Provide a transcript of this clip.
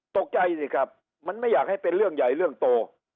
ตกใจสิครับมันไม่อยากให้เป็นเรื่องใหญ่เรื่องโต